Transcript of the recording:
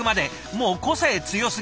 もう個性強すぎ！